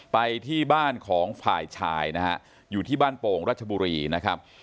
ไปที่บ้านของฝ่ายชายนะฮะอยู่ที่บ้านโป่งรัชบุรีนะครับ